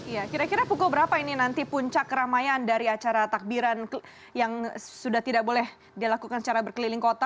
ya kira kira pukul berapa ini nanti puncak keramaian dari acara takbiran yang sudah tidak boleh dilakukan secara berkeliling kota